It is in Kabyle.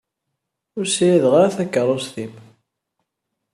Ur ssirideɣ ara takeṛṛust-im.